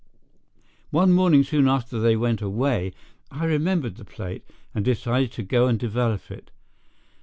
One morning soon after they went away, I remembered the plate and decided to go and develop it.